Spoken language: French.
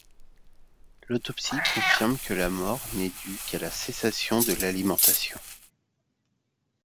L'autopsie confirme que la mort n'est due qu'à la cessation de l'alimentation.